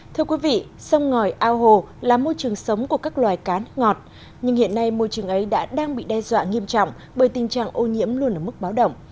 thưa quý vị sông ngòi ao hồ là môi trường sống của các loài cá ngọt nhưng hiện nay môi trường ấy đã đang bị đe dọa nghiêm trọng bởi tình trạng ô nhiễm luôn ở mức báo động